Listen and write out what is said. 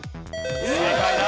正解だ。